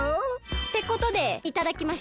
ってことでいただきました。